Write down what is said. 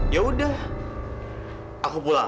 yaudah aku pulang